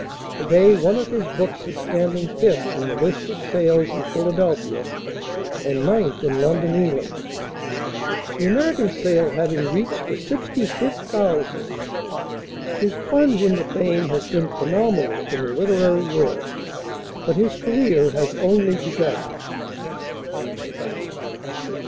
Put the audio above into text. To day one of his books is standing fifth in the list of sales in Philadelphia, and ninth in London, England, the American sale having reached the "sixty fifth thousand." His plunge into fame has been phenomenal in the literary world. But his career has only begun.